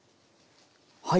はい。